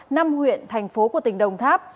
thành phố của tỉnh đồng tháp